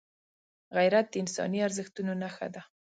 غیرت د انساني ارزښتونو نښه ده